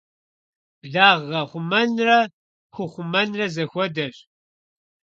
Благъэ хъумэнрэ ху хъумэнрэ зэхуэдэщ.